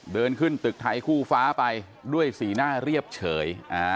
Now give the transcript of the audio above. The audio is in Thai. เดินขึ้นตึกไทยคู่ฟ้าไปด้วยสีหน้าเรียบเฉย